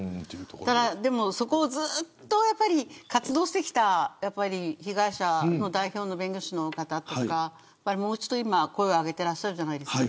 ただ、そこをずっと活動してきた被害者の代表の弁護士の方とかもう一度、今声を上げていらっしゃるじゃないですか。